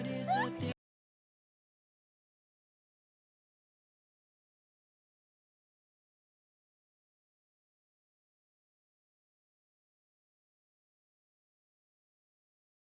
ini udah keliatan